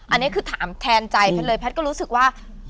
อันนี้คือถามแทนใจแพทย์เลยแพทย์ก็รู้สึกว่า